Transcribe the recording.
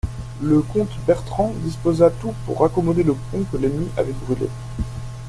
Le comte Bertrand disposa tout pour raccommoder le pont que l'ennemi avait brûlé.